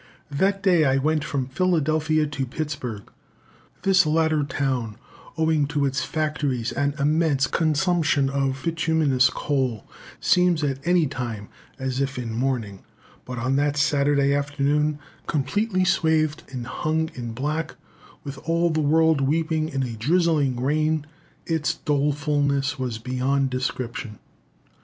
That day I went from Philadelphia to Pittsburg. This latter town, owing to its factories and immense consumption of bituminous coal, seems at any time as if in mourning; but on that Sunday afternoon, completely swathed and hung in black, with all the world weeping in a drizzling rain, its dolefulness was beyond description.